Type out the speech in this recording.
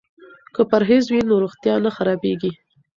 که پرهیز وي نو روغتیا نه خرابیږي.